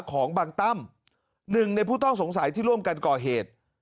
ของบางตั้มหนึ่งในผู้ต้องสงสัยที่ร่วมกันก่อเหตุ